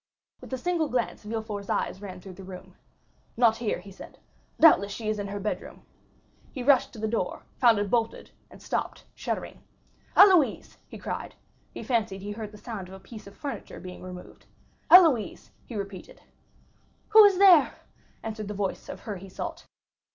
With a single glance Villefort's eye ran through the room. "Not here," he said; "doubtless she is in her bedroom." He rushed towards the door, found it bolted, and stopped, shuddering. "Héloïse!" he cried. He fancied he heard the sound of a piece of furniture being removed. "Héloïse!" he repeated. "Who is there?" answered the voice of her he sought.